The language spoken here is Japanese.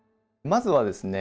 まずはですね